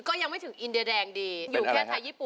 ก็ยังไม่ถึงอินเดียแดงดีอยู่แค่ไทยญี่ปุ่น